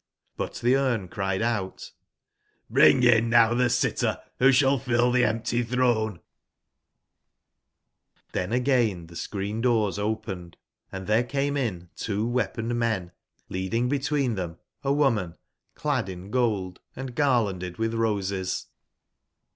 But tbe Smc m 3 165 cried out: ''Bring in now tbceittcr, who shall fill tbc empty throne t" nSJ^ again the ecreen/doors opened, & there came in two weapon ed men, leading between them a woman clad in gold and garlanded with roses.